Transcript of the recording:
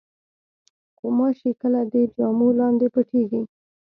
غوماشې کله د جامو لاندې پټېږي.